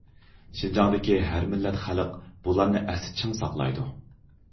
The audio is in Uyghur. شىنجاڭدىكى ھەر مىللەت خەلق بۇلارنى ئەستە چىڭ ساقلايدۇ.